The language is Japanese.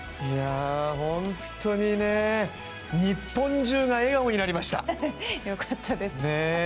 本当に日本中が笑顔になりました。